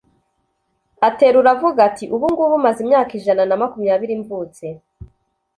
aterura avuga ati «ubu ngubu maze imyaka ijana na makumyabiri mvutse;